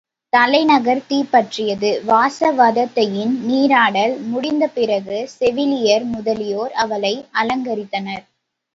தலைநகர் தீப்பற்றியது வாசவதத்தையின் நீராடல் முடிந்தபிறகு செவிலியர் முதலியோர் அவளை அலங்கரித்தனர்.